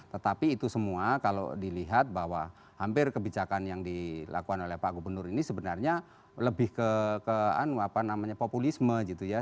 tetapi itu semua kalau dilihat bahwa hampir kebijakan yang dilakukan oleh pak gubernur ini sebenarnya lebih ke populisme gitu ya